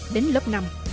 đến lớp năm